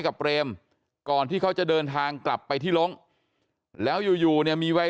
กับเบรมก่อนที่เขาจะเดินทางกลับไปที่ลงแล้วอยู่อยู่เนี่ยมีวัย